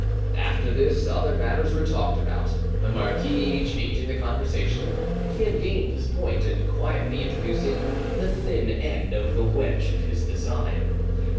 After this other matters were talked about, the marquis changing the conversation; he had gained his point in quietly introducing the thin end of the wedge of his design.